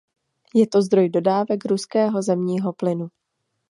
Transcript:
Je to zdroj dodávek ruského zemního plynu.